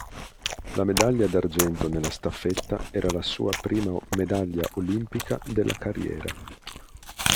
La medaglia d'argento nella staffetta era la sua prima medaglia olimpica della carriera.